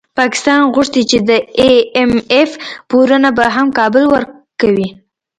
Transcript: پاکستان غوښتي چي د ای اېم اېف پورونه به هم کابل ورکوي